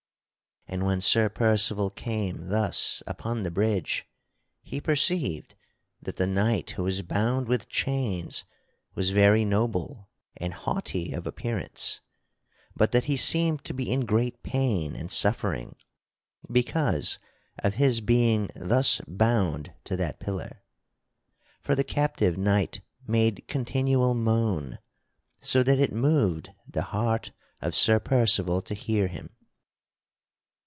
And when Sir Percival came thus upon the bridge he perceived that the knight who was bound with chains was very noble and haughty of appearance, but that he seemed to be in great pain and suffering because of his being thus bound to that pillar. For the captive knight made continual moan so that it moved the heart of Sir Percival to hear him.